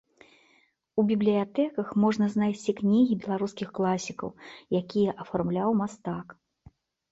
У бібліятэках можна знайсці кнігі беларускіх класікаў, якія афармляў мастак.